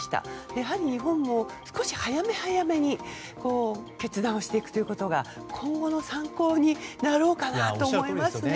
やはり日本も少し早め早めに決断していくことが今後の参考になろうかなと思いますね。